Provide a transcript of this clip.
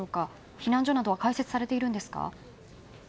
避難所などは開設されているんでしょうか？